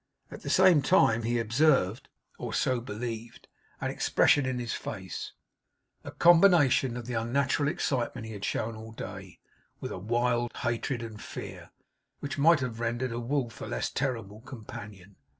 At the same time he observed (or so believed) an expression in his face a combination of the unnatural excitement he had shown all day, with a wild hatred and fear which might have rendered a wolf a less terrible companion.